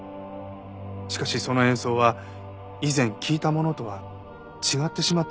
しかしその演奏は以前聴いたものとは違ってしまっていたそうです。